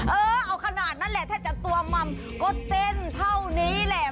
เออเอาขนาดนั้นแหละถ้าจะตัวมัมก็เต้นเท่านี้แหละ